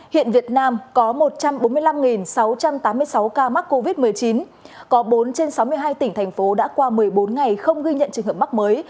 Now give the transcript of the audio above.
hiện việt nam có một trăm bốn mươi năm sáu trăm tám mươi sáu ca mắc covid một mươi chín có bốn trên sáu mươi hai tỉnh thành phố đã qua một mươi bốn ngày không ghi nhận trường hợp mắc mới